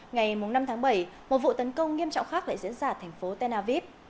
ngày năm tháng bảy một vụ tấn công nghiêm trọng khác lại diễn ra ở thành phố tel aviv